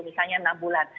misalnya enam bulan